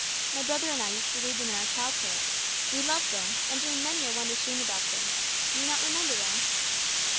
My brother and I used to read them in our childhood; we loved them, and dreamed many a wondrous dream about them. Do you not remember them?"